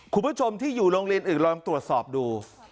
คุณผู้ชมที่อยู่โรงเรียนอื่นลองตรวจสอบดู